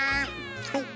はい。